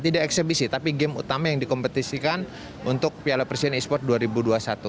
tidak eksebisi tapi game utama yang dikompetisikan untuk piala presiden esports dua ribu dua puluh satu